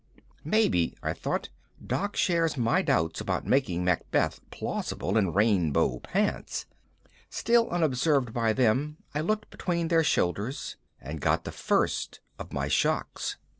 _" Maybe, I thought, Doc shares my doubts about making Macbeth plausible in rainbow pants. Still unobserved by them, I looked between their shoulders and got the first of my shocks.